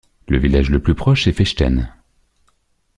Le village le plus proche est Feichten.